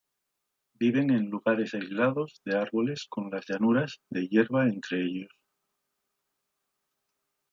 Viven en lugares aislados de árboles con las llanuras de hierba entre ellos.